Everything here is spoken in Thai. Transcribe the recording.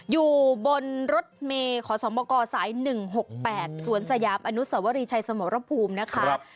อยู่บนรถเมย์ขอสมกสาย๑๖๘สวนสยามอนุสวรีชัยสมรภูมินะคะ